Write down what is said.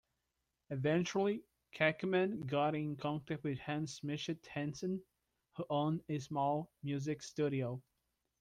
Eventually, Cacumen got in contact with Hanns Schmidt-Theissen, who owned a small music studio.